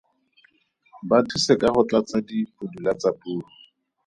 Ba thuse ka go tlatsa dipudula tsa puo.